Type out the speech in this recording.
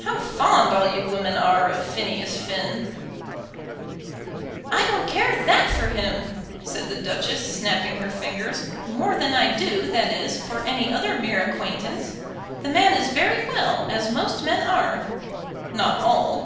"How fond all you women are of Phineas Finn." "I don't care that for him," said the Duchess, snapping her fingers "more than I do, that is, for any other mere acquaintance. The man is very well, as most men are." "Not all."